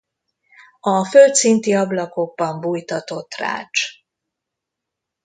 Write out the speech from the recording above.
A földszinti ablakokban bújtatott rács.